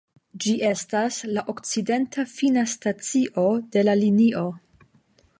Ĝi estas la okcidenta fina stacio de la linio.